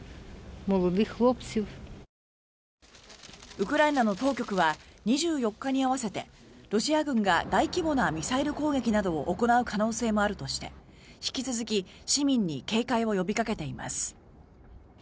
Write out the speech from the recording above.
ウクライナの当局は２４日に合わせてロシア軍が大規模なミサイル攻撃などを行う可能性もあるとして引き続き市民に警戒を呼びかけています。